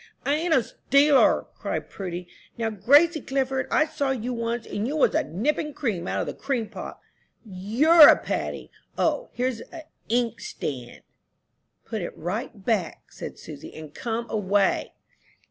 "I ain't a stealer," cried Prudy. "Now, Gracie Clifford, I saw you once, and you was a nippin' cream out of the cream pot. You're a Paddy! O, here's a ink stand!" "Put it right back," said Susy, "and come away."